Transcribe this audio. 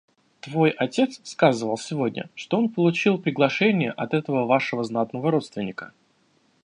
Твой отец сказывал сегодня, что он получил приглашение от этого вашего знатного родственника.